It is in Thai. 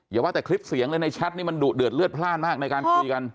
อย่าว่าแต่คลิปเสียงเลยในแชทนี่มันดุเดือดเลือดพลาดมากในการคุยกัน